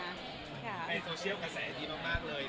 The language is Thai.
ในโซเชียลกระแสดีมากเลย